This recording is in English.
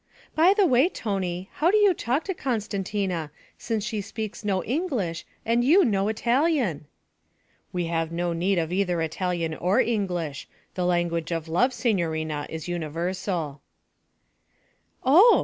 'By the way, Tony, how do you talk to Costantina, since she speaks no English and you no Italian?' 'We have no need of either Italian or English; the language of love, signorina, is universal.' 'Oh!'